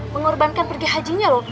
mengorbankan pergi hajinya loh